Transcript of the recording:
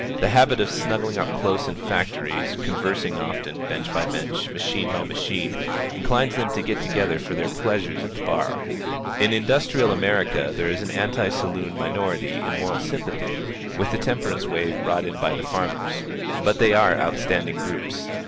The habit of snuggling up close in factories, conversing often, bench by bench, machine by machine, inclines them to get together for their pleasures at the bar. In industrial America there is an anti saloon minority in moral sympathy with the temperance wave brought in by the farmers. But they are outstanding groups.